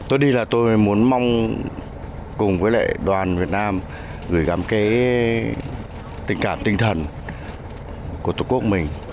tôi đi là tôi muốn mong cùng với lại đoàn việt nam gửi gắm cái tình cảm tinh thần của tổ quốc mình